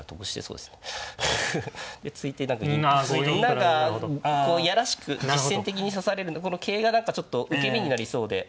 何かこう嫌らしく実戦的に指されるのこの桂が何かちょっと受け身になりそうで。